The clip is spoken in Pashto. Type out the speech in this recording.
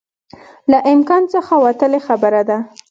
له امکان څخه وتلی خبره ده